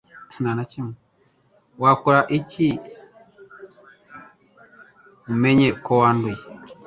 Wakora iki umenyeko ko wanduye